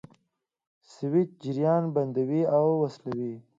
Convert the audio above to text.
سویچ جریان بندوي او وصلوي.